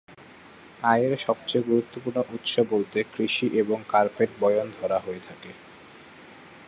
আয়ের সবচেয়ে গুরুত্বপূর্ণ উৎস বলতে কৃষি এবং কার্পেট বয়ন ধরা হয়ে থাকে।